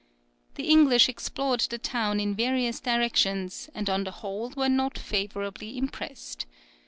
The English explored the town in various directions, and on the whole were not favourably impressed.